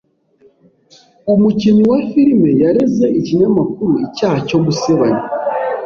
Umukinnyi wa filime yareze ikinyamakuru icyaha cyo gusebanya.